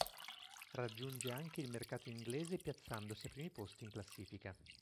Raggiunge anche il mercato inglese piazzandosi ai primi posti in classifica.